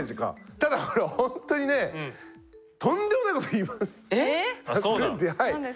ただこれほんとにねとんでもないこと言います。